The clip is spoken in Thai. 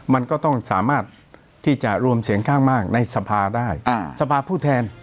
มันก็ต้องสามารถที่จะรวมเสียงข้างมากในสภาได้สภาผู้แทน